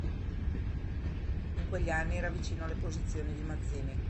In quegli anni era vicino alle posizioni di Mazzini.